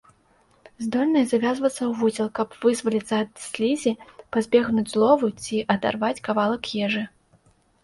Здольныя завязвацца ў вузел, каб вызваліцца ад слізі, пазбегнуць злову, ці адарваць кавалак ежы.